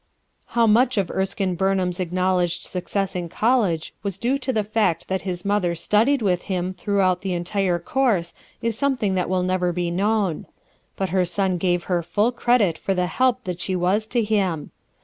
How much of Erskine Burnham's acknowledged success in college was IDEAL CONDITIONS 71 due to the fact that his mother studied with him throughout the entire course is something that will never be known ; but her son gave her full credit for the help that she was to him.